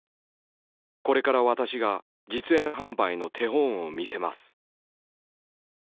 「これから私が実演販売の手本を見せます」。